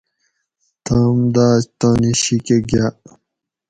تم داۤ تانی شی کۤہ گاۤ